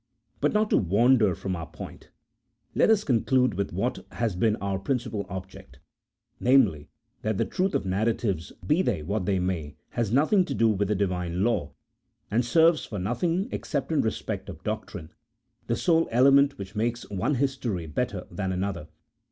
But not to wander from our point, let us conclude with what has been our principal object — namely, that the truth of narratives, be they what they may, has nothing to do with the Divine law, and serves for nothing except in respect of doctrine, the sole element which makes one history better than another.